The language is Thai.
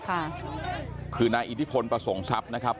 ค่ะคือนายอิทธิพลประสงค์ทรัพย์นะครับ